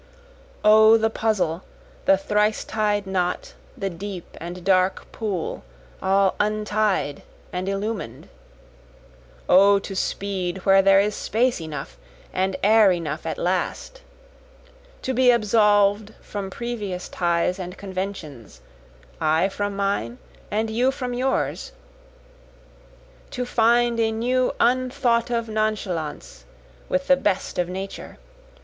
O the puzzle, the thrice tied knot, the deep and dark pool, all untied and illumin'd! O to speed where there is space enough and air enough at last! To be absolv'd from previous ties and conventions, I from mine and you from yours! To find a new unthought of nonchalance with the best of Nature!